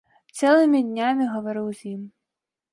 Цэлымі днямі гавару з ім.